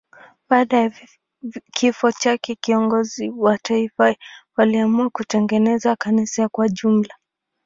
Baada ya kifo chake viongozi wa taifa waliamua kutengeneza kanisa kwa jumla.